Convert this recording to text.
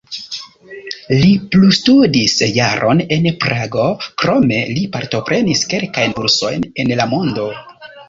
Li plustudis jaron en Prago, krome li partoprenis kelkajn kursojn en la mondo.